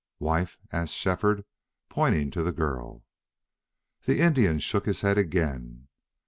"Wife?" asked Shefford, pointing to the girl. The Indian shook his head again.